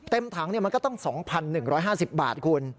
ถังมันก็ต้อง๒๑๕๐บาทคุณ